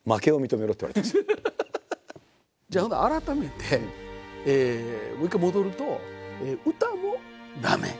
じゃあ改めてもう一回戻ると歌も駄目。